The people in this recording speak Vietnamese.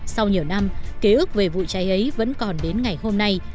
sau nhiều năm ký ức về vụ cháy ấy vẫn còn đến ngày hôm nay